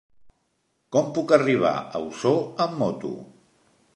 Com puc arribar a Osor amb moto?